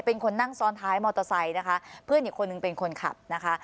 เป็นคนนั่งซ้อนท้ายมอเตอร์ไซค์นะคะเพื่อนอีกคนนึงเป็นคนขับนะคะ